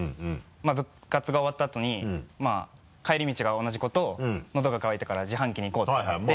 部活が終わったあとに帰り道が同じ子とのどが渇いたから自販機に行こうっていって。